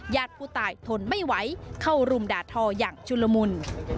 ญาติผู้ตายทนไม่ไหวเข้ารุมด่าทออย่างชุลมุน